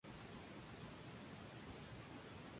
Toda la región está en permafrost continuo.